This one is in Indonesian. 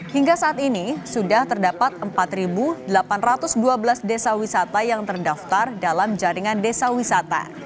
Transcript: hingga saat ini sudah terdapat empat delapan ratus dua belas desa wisata yang terdaftar dalam jaringan desa wisata